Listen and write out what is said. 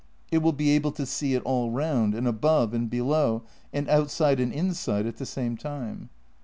It will be able to see it all round, and above and below, and outside and inside at the same time.